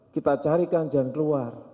kita carikan jalan keluar